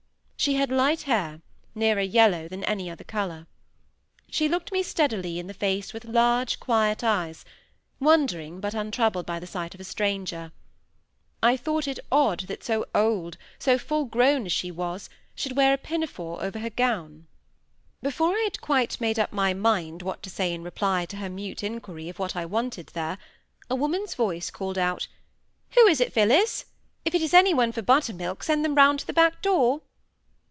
She had light hair, nearer yellow than any other colour. She looked me steadily in the face with large, quiet eyes, wondering, but untroubled by the sight of a stranger. I thought it odd that so old, so full grown as she was, she should wear a pinafore over her gown. Before I had quite made up my mind what to say in reply to her mute inquiry of what I wanted there, a woman's voice called out, "Who is it, Phillis? If it is any one for butter milk send them round to the back door."